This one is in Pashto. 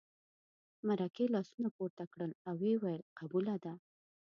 مرکې لاسونه پورته کړل او ویې ویل قبوله ده.